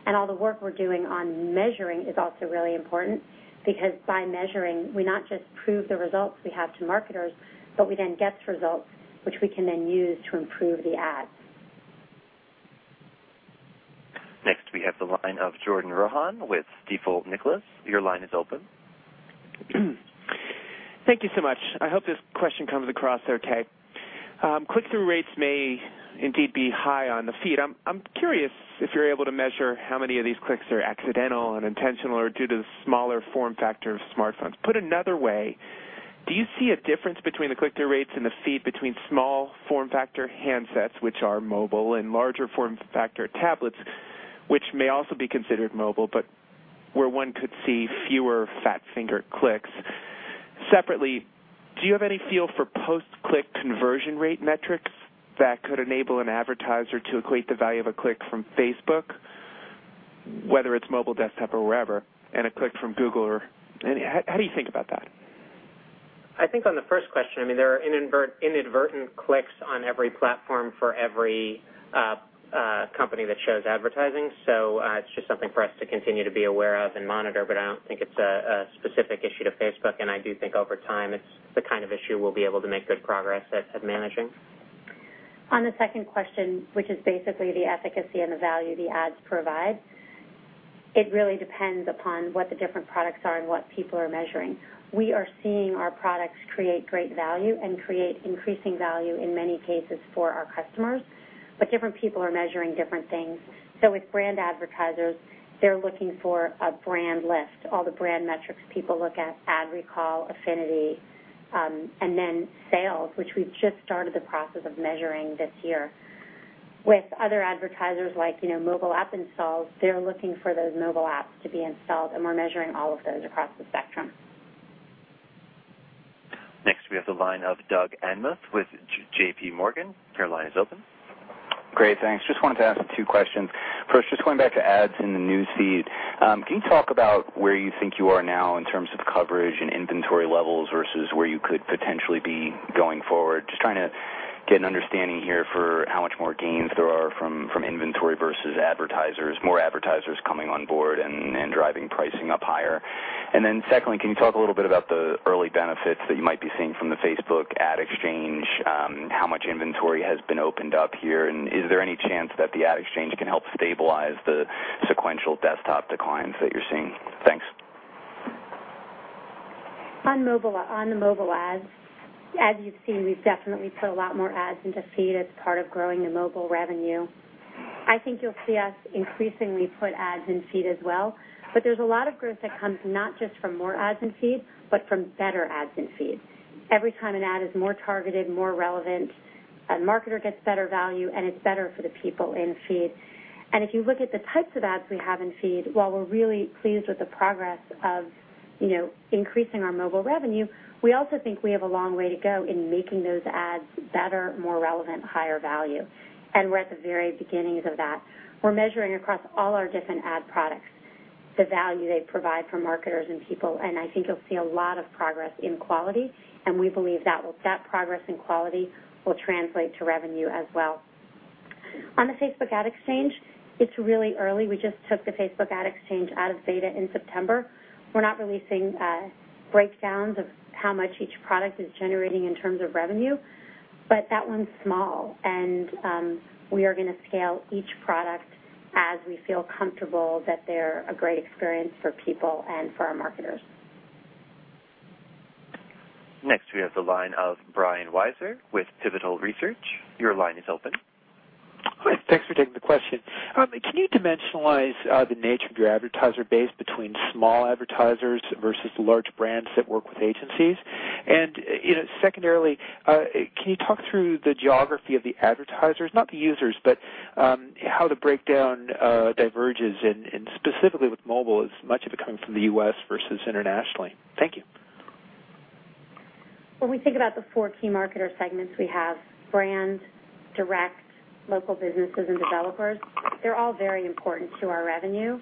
All the work we're doing on measuring is also really important because by measuring, we not just prove the results we have to marketers, but we then get results which we can then use to improve the ads. Next, we have the line of Jordan Rohan with Stifel Nicolaus. Your line is open. Thank you so much. I hope this question comes across okay. Click-through rates may indeed be high on the News Feed. I'm curious if you're able to measure how many of these clicks are accidental, unintentional, or due to the smaller form factor of smartphones. Put another way Do you see a difference between the click-through rates and the News Feed between small form factor handsets, which are mobile, and larger form factor tablets, which may also be considered mobile, but where one could see fewer fat-finger clicks? Separately, do you have any feel for post-click conversion rate metrics that could enable an advertiser to equate the value of a click from Facebook, whether it's mobile, desktop, or wherever, and a click from Google? How do you think about that? I think on the first question, there are inadvertent clicks on every platform for every company that shows advertising. It's just something for us to continue to be aware of and monitor. I don't think it's a specific issue to Facebook, and I do think over time, it's the kind of issue we'll be able to make good progress at managing. On the second question, which is basically the efficacy and the value the ads provide, it really depends upon what the different products are and what people are measuring. We are seeing our products create great value and create increasing value in many cases for our customers. Different people are measuring different things. With brand advertisers, they're looking for a brand lift. All the brand metrics people look at, ad recall, affinity, and then sales, which we've just started the process of measuring this year. With other advertisers, like Mobile App Installs, they're looking for those mobile apps to be installed, and we're measuring all of those across the spectrum. Next, we have the line of Doug Anmuth with JPMorgan. Your line is open. Great, thanks. Just wanted to ask two questions. First, just going back to ads in the News Feed. Can you talk about where you think you are now in terms of coverage and inventory levels versus where you could potentially be going forward? Just trying to get an understanding here for how much more gains there are from inventory versus advertisers, more advertisers coming on board and driving pricing up higher. Secondly, can you talk a little bit about the early benefits that you might be seeing from the Facebook Exchange? How much inventory has been opened up here, and is there any chance that the Facebook Exchange can help stabilize the sequential desktop declines that you're seeing? Thanks. On the mobile ads, as you've seen, we've definitely put a lot more ads into feed as part of growing the mobile revenue. I think you'll see us increasingly put ads in feed as well. There's a lot of growth that comes not just from more ads in feed, but from better ads in feed. Every time an ad is more targeted, more relevant, a marketer gets better value, and it's better for the people in feed. If you look at the types of ads we have in feed, while we're really pleased with the progress of increasing our mobile revenue, we also think we have a long way to go in making those ads better, more relevant, higher value. We're at the very beginnings of that. We're measuring across all our different ad products, the value they provide for marketers and people, and I think you'll see a lot of progress in quality, and we believe that progress in quality will translate to revenue as well. On the Facebook Exchange, it's really early. We just took the Facebook Exchange out of beta in September. We're not releasing breakdowns of how much each product is generating in terms of revenue. That one's small, and we are going to scale each product as we feel comfortable that they're a great experience for people and for our marketers. Next, we have the line of Brian Wieser with Pivotal Research. Your line is open. Thanks for taking the question. Can you dimensionalize the nature of your advertiser base between small advertisers versus the large brands that work with agencies? Secondarily, can you talk through the geography of the advertisers, not the users, but how the breakdown diverges, and specifically with mobile, as much of it coming from the U.S. versus internationally? Thank you. When we think about the four key marketer segments we have, brand, direct, local businesses, and developers, they're all very important to our revenue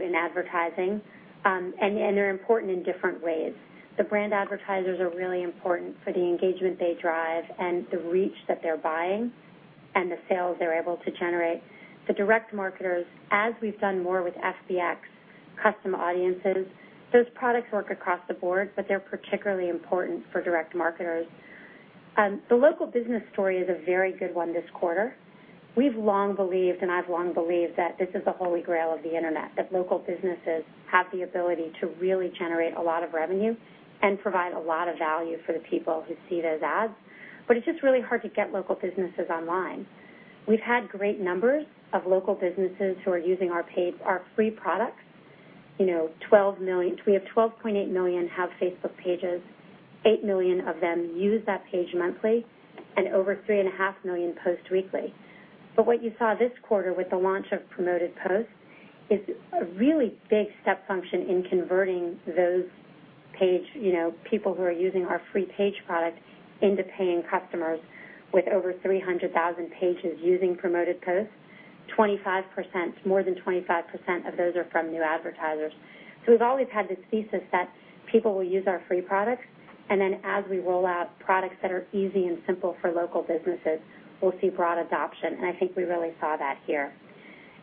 in advertising. They're important in different ways. The brand advertisers are really important for the engagement they drive and the reach that they're buying and the sales they're able to generate. The direct marketers, as we've done more with FBX Custom Audiences, those products work across the board, but they're particularly important for direct marketers. The local business story is a very good one this quarter. We've long believed, and I've long believed, that this is the holy grail of the internet, that local businesses have the ability to really generate a lot of revenue and provide a lot of value for the people who see those ads. It's just really hard to get local businesses online. We've had great numbers of local businesses who are using our free products. We have 12.8 million have Facebook Pages, 8 million of them use that page monthly, and over 3.5 million post weekly. What you saw this quarter with the launch of Promoted Posts is a really big step function in converting those people who are using our free page product into paying customers with over 300,000 pages using Promoted Posts. More than 25% of those are from new advertisers. We've always had this thesis that people will use our free products, and then as we roll out products that are easy and simple for local businesses, we'll see broad adoption. I think we really saw that here.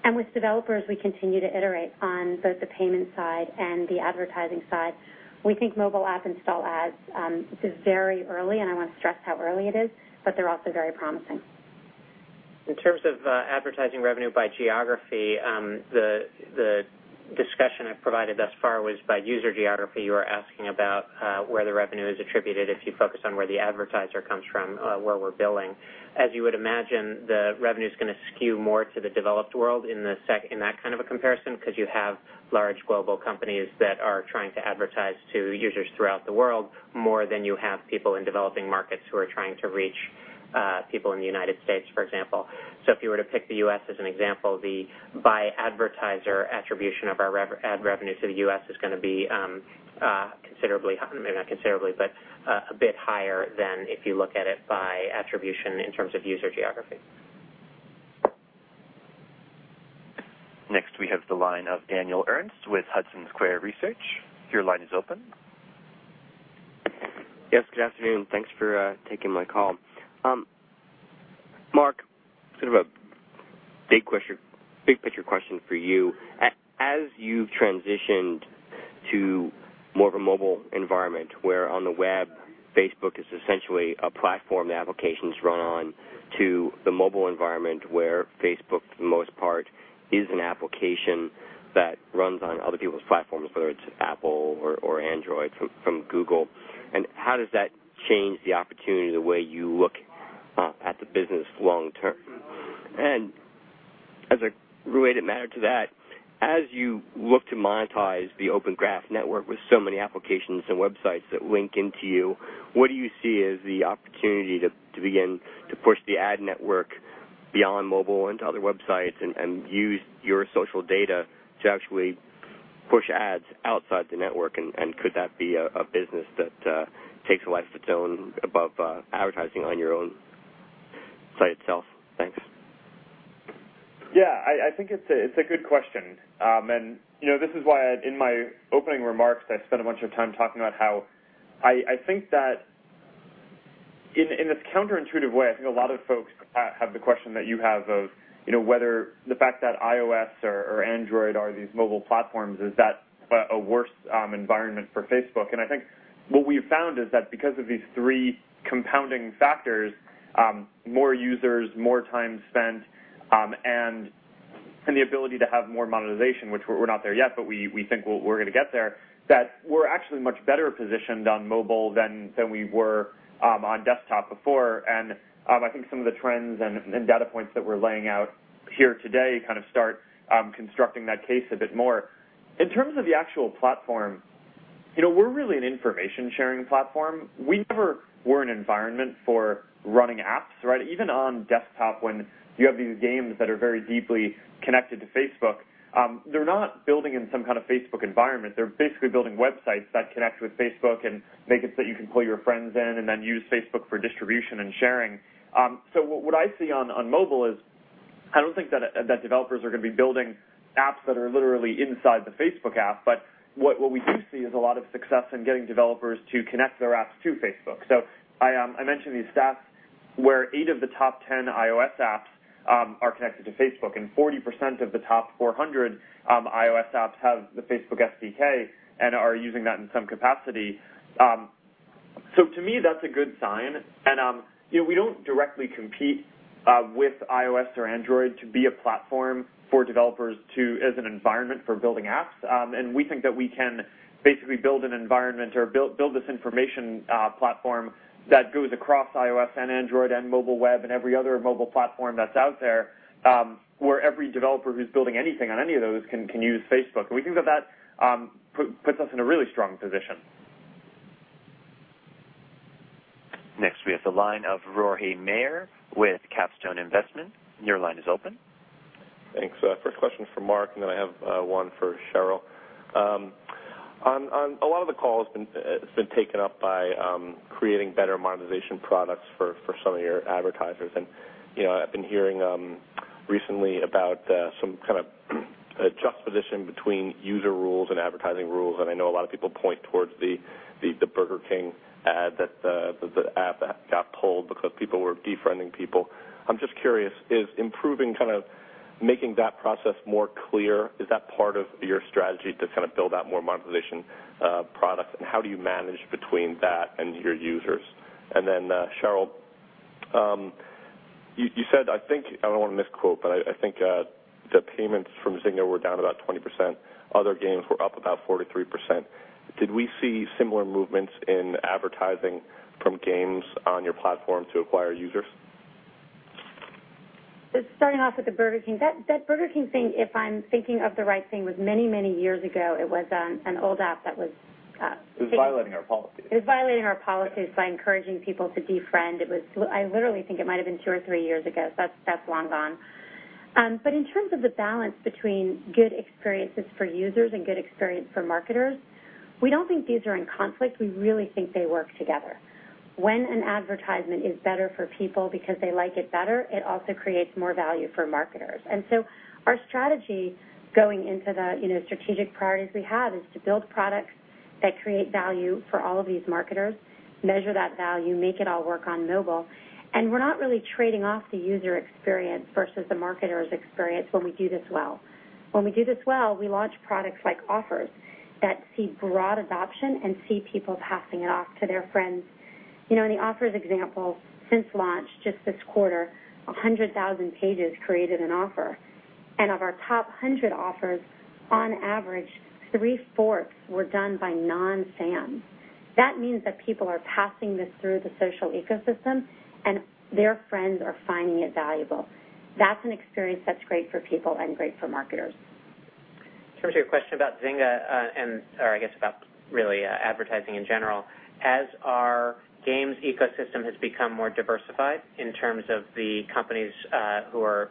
With developers, we continue to iterate on both the payment side and the advertising side. We think Mobile App Install Ads is very early, and I want to stress how early it is, but they're also very promising. In terms of advertising revenue by geography, the discussion I've provided thus far was by user geography. You were asking about where the revenue is attributed if you focus on where the advertiser comes from, where we're billing. As you would imagine, the revenue is going to skew more to the developed world in that kind of a comparison because you have large global companies that are trying to advertise to users throughout the world more than you have people in developing markets who are trying to reach people in the U.S., for example. If you were to pick the U.S. as an example, by advertiser attribution of our ad revenue to the U.S. is going to be considerably higher. Maybe not considerably, but a bit higher than if you look at it by attribution in terms of user geography. Next, we have the line of Daniel Ernst with Hudson Square Research. Your line is open. Yes, good afternoon. Thanks for taking my call. Mark, sort of a big-picture question for you. As you've transitioned to more of a mobile environment, where on the web, Facebook is essentially a platform the application's run on, to the mobile environment, where Facebook, for the most part, is an application that runs on other people's platforms, whether it's Apple or Android from Google. How does that change the opportunity in the way you look at the business long term? As a related matter to that, as you look to monetize the Open Graph network with so many applications and websites that link into you, what do you see as the opportunity to begin to push the ad network beyond mobile into other websites and use your social data to actually push ads outside the network? Could that be a business that takes a life of its own above advertising on your own site itself? Thanks. Yeah, I think it's a good question. This is why in my opening remarks, I spent a bunch of time talking about how I think that in this counterintuitive way, I think a lot of folks have the question that you have of whether the fact that iOS or Android are these mobile platforms, is that a worse environment for Facebook? I think what we've found is that because of these three compounding factors, more users, more time spent, and the ability to have more monetization, which we're not there yet, but we think we're going to get there, that we're actually much better positioned on mobile than we were on desktop before. I think some of the trends and data points that we're laying out here today kind of start constructing that case a bit more. In terms of the actual platform, we're really an information-sharing platform. We never were an environment for running apps. Even on desktop, when you have these games that are very deeply connected to Facebook, they're not building in some kind of Facebook environment. They're basically building websites that connect with Facebook and make it so you can pull your friends in and then use Facebook for distribution and sharing. What I see on mobile is I don't think that developers are going to be building apps that are literally inside the Facebook app. What we do see is a lot of success in getting developers to connect their apps to Facebook. I mentioned these stats where eight of the top 10 iOS apps are connected to Facebook, and 40% of the top 400 iOS apps have the Facebook SDK and are using that in some capacity. To me, that's a good sign. We don't directly compete with iOS or Android to be a platform for developers as an environment for building apps. We think that we can basically build an environment or build this information platform that goes across iOS and Android and mobile web and every other mobile platform that's out there, where every developer who's building anything on any of those can use Facebook. We think that puts us in a really strong position. Next, we have the line of Rory F. Maher with Capstone Investments. Your line is open. Thanks. First question is for Mark, then I have one for Sheryl. A lot of the call has been taken up by creating better monetization products for some of your advertisers. I've been hearing recently about some kind of juxtaposition between user rules and advertising rules, and I know a lot of people point towards the Burger King ad, the app that got pulled because people were defriending people. I'm just curious, is improving, kind of making that process more clear, is that part of your strategy to kind of build out more monetization products? How do you manage between that and your users? Then, Sheryl, you said, I think, I don't want to misquote, but I think the payments from Zynga were down about 20%. Other games were up about 43%. Did we see similar movements in advertising from games on your platform to acquire users? Just starting off with the Burger King. That Burger King thing, if I'm thinking of the right thing, was many years ago. It was an old app that was- It was violating our policies It was violating our policies by encouraging people to defriend. I literally think it might have been two or three years ago. That's long gone. In terms of the balance between good experiences for users and good experience for marketers, we don't think these are in conflict. We really think they work together. When an advertisement is better for people because they like it better, it also creates more value for marketers. Our strategy going into the strategic priorities we have is to build products that create value for all of these marketers, measure that value, make it all work on mobile. We're not really trading off the user experience versus the marketer's experience when we do this well. When we do this well, we launch products like Offers that see broad adoption and see people passing it off to their friends. In the Offers example, since launch, just this quarter, 100,000 pages created an offer. Of our top 100 Offers, on average, three-fourths were done by non-fans. That means that people are passing this through the social ecosystem, and their friends are finding it valuable. That's an experience that's great for people and great for marketers. In terms of your question about Zynga, and I guess about really advertising in general, as our games ecosystem has become more diversified in terms of the companies who are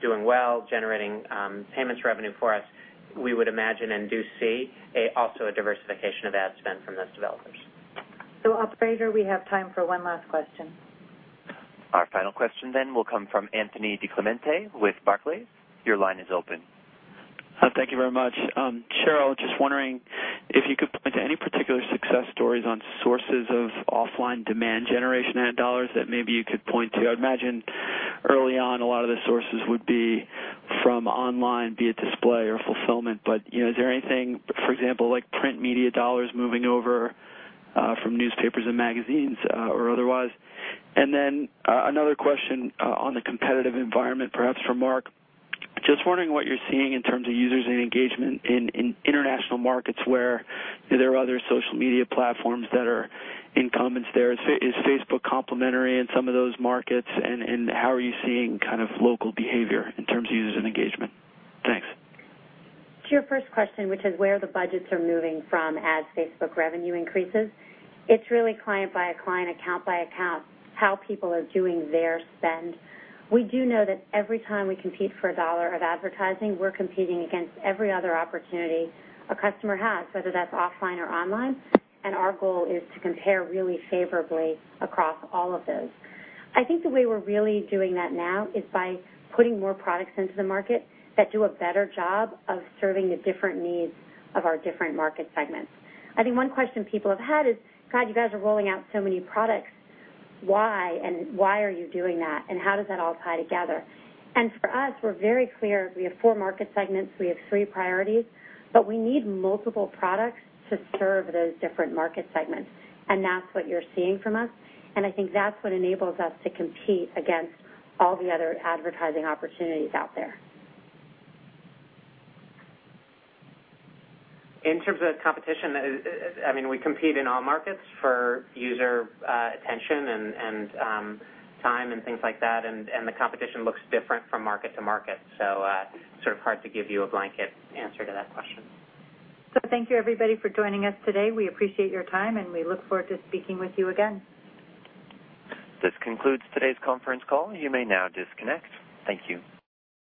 doing well, generating payments revenue for us, we would imagine and do see also a diversification of ad spend from those developers. operator, we have time for one last question. Our final question will come from Anthony DiClemente with Barclays. Your line is open. Thank you very much. Sheryl, just wondering if you could point to any particular success stories on sources of offline demand generation ad dollars that maybe you could point to. I'd imagine early on a lot of the sources would be from online, be it display or fulfillment. Is there anything, for example, like print media dollars moving over from newspapers and magazines or otherwise? Another question on the competitive environment, perhaps for Mark. Just wondering what you're seeing in terms of users and engagement in international markets where there are other social media platforms that are incumbents there. Is Facebook complementary in some of those markets, and how are you seeing kind of local behavior in terms of users and engagement? Thanks. To your first question, which is where the budgets are moving from as Facebook revenue increases, it's really client by a client, account by account, how people are doing their spend. We do know that every time we compete for a dollar of advertising, we're competing against every other opportunity a customer has, whether that's offline or online, our goal is to compare really favorably across all of those. I think the way we're really doing that now is by putting more products into the market that do a better job of serving the different needs of our different market segments. I think one question people have had is, "God, you guys are rolling out so many products. Why, and why are you doing that, and how does that all tie together?" For us, we're very clear. We have four market segments. We have three priorities. We need multiple products to serve those different market segments, and that's what you're seeing from us, and I think that's what enables us to compete against all the other advertising opportunities out there. In terms of competition, we compete in all markets for user attention and time and things like that, and the competition looks different from market to market, so sort of hard to give you a blanket answer to that question. Thank you everybody for joining us today. We appreciate your time, and we look forward to speaking with you again. This concludes today's conference call. You may now disconnect. Thank you.